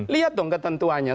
lihat dong ketentuannya